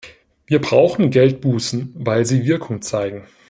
Wir brauchen Geldbußen, weil sie Wirkung zeigen.